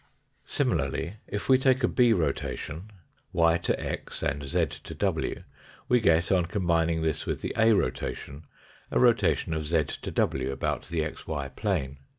Similarly, if we take a B rotation, y to x and z to w, we get, on combining this with the A rotation, a rotation of z to w about the xy plane.